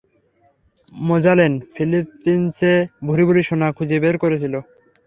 Magellan ফিলিপিন্সে ভুরি-ভুরি সোনা খুঁজে বের করেছিল।